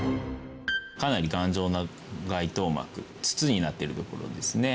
かなり頑丈な外とう膜筒になってるところですね。